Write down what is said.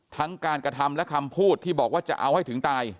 ทั้งการกระทำและคำพูดที่บอกว่าจะเอาให้ถึงตาย